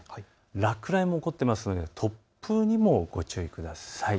落雷も起こっているので突風にもご注意ください。